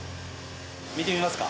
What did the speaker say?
見てみますか？